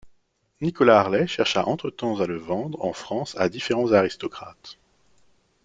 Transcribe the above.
Nicolas Harlay chercha entretemps à le vendre en France à différents aristocrates.